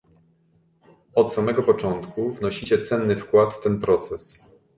Od samego początku wnosicie cenny wkład w ten proces